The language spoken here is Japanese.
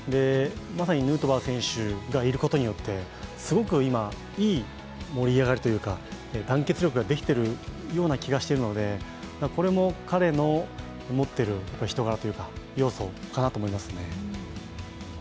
ヌートバー選手がいることによって、すごく今、いい盛り上がりというか、団結力ができてるような気がしてるのでこれも彼の持っている人柄というか、要素かなと思いますね。